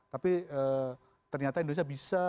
tapi ternyata indonesia bisa